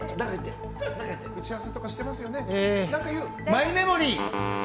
マイメモリー！